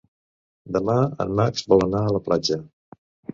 Demà en Max vol anar a la platja.